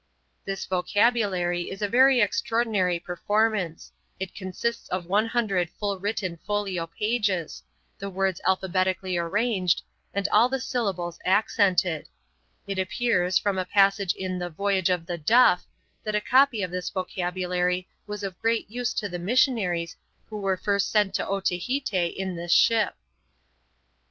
This vocabulary is a very extraordinary performance; it consists of one hundred full written folio pages, the words alphabetically arranged, and all the syllables accented. It appears, from a passage in the Voyage of the Duff, that a copy of this vocabulary was of great use to the missionaries who were first sent to Otaheite in this ship.